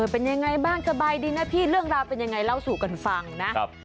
เป็นยังไงบ้างสบายดีนะพี่เรื่องราวเป็นยังไงเล่าสู่กันฟังนะ